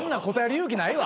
勇気ないわ。